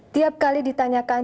tiap kali ditanyakan